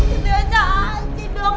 itu aja anjing dong